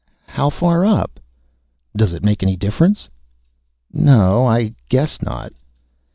"How far up?" "Does it make any difference?" "No I guess not."